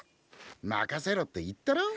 任せろって言ったろ？